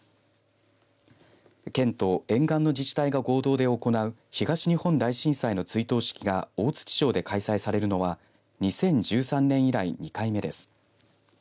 県と沿岸の自治体が合同で行う東日本大震災の追悼式が大槌町で開催されるのは２０１３年以来２回目です。